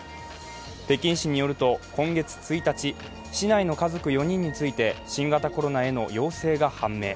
北京市によると、今月１日、市内の家族４人について新型コロナへの陽性が判明。